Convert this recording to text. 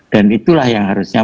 dan itulah yang harusnya